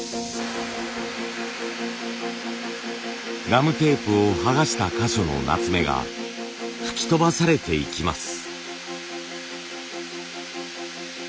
ガムテープを剥がした箇所の夏目が吹き飛ばされていきます。